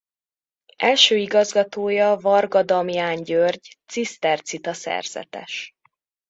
Első igazgatója Vargha Damján György cisztercita szerzetes.